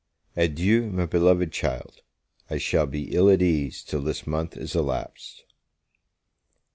Adieu, my beloved child; I shall be but ill at ease till this month is elapsed.